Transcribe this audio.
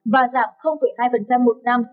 và giảm hai một năm